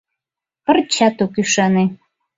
Пырчат ок ӱшане.